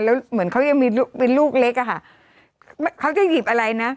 แล้วเหมือนเขายังมีลูกเป็นลูกเล็กอะค่ะเขาจะหยิบอะไรนะ